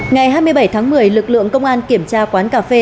ngày hai mươi bảy tháng một mươi lực lượng công an kiểm tra quán cà phê